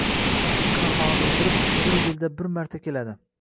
Issiqqina xonada oʻtirib, bir yilda bir marta keladi